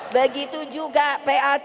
begitu juga pac